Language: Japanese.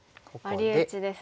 ワリ打ちですね。